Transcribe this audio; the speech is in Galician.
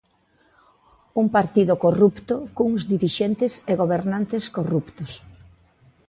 Un partido corrupto cuns dirixentes e gobernantes corruptos.